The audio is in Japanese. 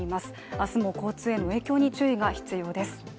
明日も交通への影響に注意が必要です。